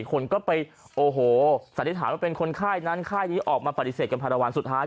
คนก็ไปโอ้โหสันนิษฐานว่าเป็นคนค่ายนั้นค่ายนี้ออกมาปฏิเสธกันภาระวันสุดท้าย